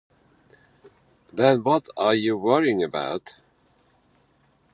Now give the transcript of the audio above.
Then what are you worrying about?